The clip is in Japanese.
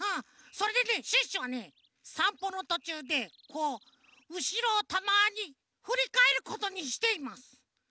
それでねシュッシュはねさんぽのとちゅうでこううしろをたまにふりかえることにしています。